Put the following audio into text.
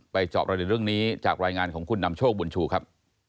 จอบประเด็นเรื่องนี้จากรายงานของคุณนำโชคบุญชูครับ